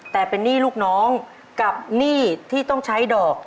แต่เป็นหนี้ลูกน้องกับหนี้ที่ต้องใช้ดอก